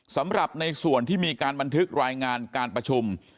สำหรับในส่วนที่มีการบันทึกรายงานการประชุม